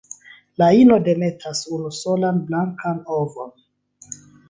La ino demetas unusolan blankan ovon.